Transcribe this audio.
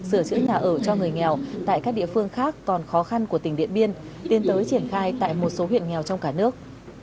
sửa chữa nhà ở cho người nghèo tại các địa phương khác còn khó khăn của tỉnh điện biên tiến tới triển khai tại một số huyện nghèo trong cả nước